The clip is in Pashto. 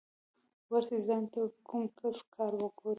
ورسئ ځان ته کوم کسب کار وگورئ.